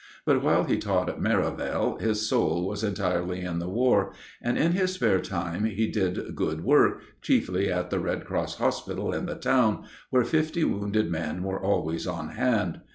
But while he taught at Merivale, his soul was entirely in the War, and in his spare time he did good work, chiefly at the Red Cross Hospital in the town, where fifty wounded men were always on hand.